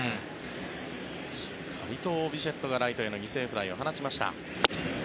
しっかりとビシェットがライトへの犠牲フライを放ちました。